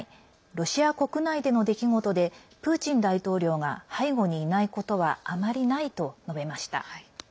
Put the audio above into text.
ロシア国内での出来事でプーチン大統領が背後にいないことはあまりないと述べました。